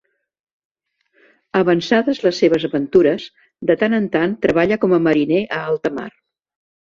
Avançades les seves aventures, de tant en tant treballa com a mariner a alta mar.